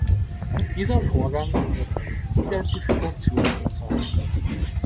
Dieser Vorgang wird als "Identifikation" bezeichnet.